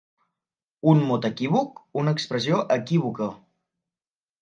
Un mot equívoc, una expressió equívoca.